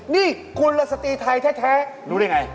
นี่คุณละสตรีไทยแท้รู้ได้ไง